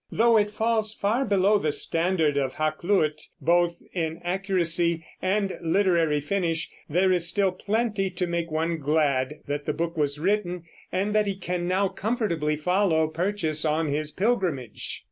Though it falls far below the standard of Hakluyt, both in accuracy and literary finish, there is still plenty to make one glad that the book was written and that he can now comfortably follow Purchas on his pilgrimage.